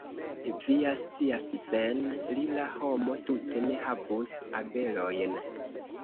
Vi ja scias, sen li la homo tute ne havus abelojn.